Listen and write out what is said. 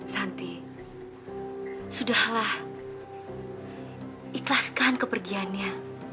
santi sudahlah ikhlaskan kepergiannya